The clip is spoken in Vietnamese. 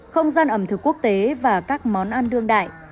không gian ẩm thực quốc tế và các món ăn đương đại